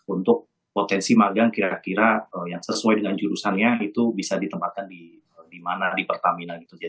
untuk potensi magang kira kira yang sesuai dengan jurusannya itu bisa ditempatkan di mana di pertamina gitu